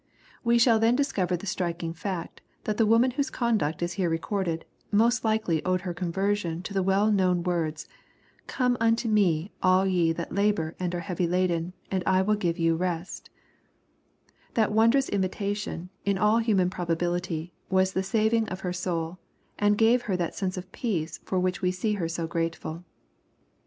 We shall then discover the striking fact, that the woman whose conduct is here recorded, most likely owed her conversion to the well known words, *^ Come unto me all ye that labor and are heavy laden, and I will give you rest/' That wondrous invitation, in all human probability, was the saving of her soul, and gave her that sense of peace for which we see her so grateful.